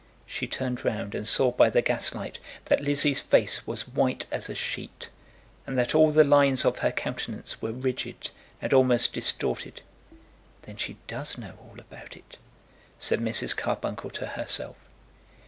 She turned round and saw by the gas light that Lizzie's face was white as a sheet, and that all the lines of her countenance were rigid and almost distorted. "Then she does know all about it!" said Mrs. Carbuncle to herself.